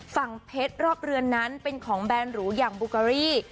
เพชรรอบเรือนนั้นเป็นของแบรนดหรูอย่างบูเกอรี่